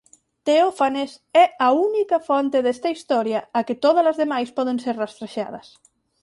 Teófanes é a única fonte desta historia á que tódalas demais poden ser rastrexadas.